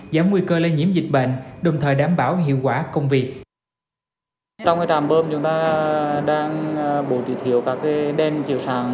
giảm nguy cơ lây nhiễm dịch bệnh đồng thời đảm bảo hiệu quả công việc